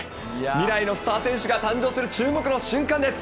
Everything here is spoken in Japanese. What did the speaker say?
未来のスター選手が誕生する注目の瞬間です。